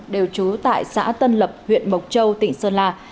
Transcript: đều trú tại xã tân lập huyện mộc châu tỉnh sơn la